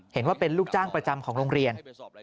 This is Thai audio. เห็นว่าเป็นลูกจ้างประจำของโรงเรียน